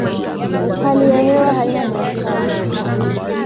Hali ya hewa haina joto kali.